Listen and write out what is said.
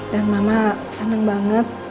dan mama seneng banget